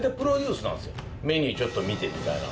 メニューちょっと見てみたいな。